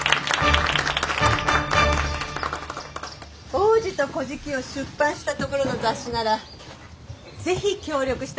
「王子と乞食」を出版したところの雑誌なら是非協力したいと思ったのよ。